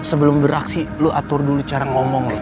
sebelum beraksi lo atur dulu cara ngomong lo